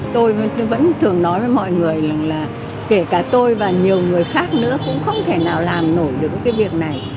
tôi vẫn thường nói với mọi người rằng là kể cả tôi và nhiều người khác nữa cũng không thể nào làm nổi được cái việc này